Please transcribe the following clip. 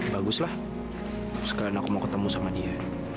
baguslah sekarang aku mau ketemu sama dia